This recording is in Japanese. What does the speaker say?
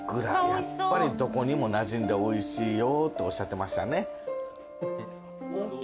やっぱりどこにもなじんでおいしいよとおっしゃってましたね。